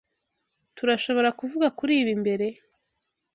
Tturashoborakuvuga kuri ibi imbere?